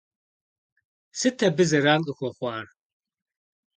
Сыт абы зэран къыхуэхъуар?